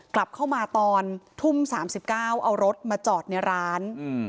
กลับเข้ามาตอนทุ่ม๓๙เอารถมาจอดในร้าน